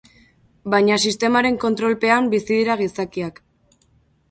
Baina sistemaren kontrolpean bizi dira gizakiak.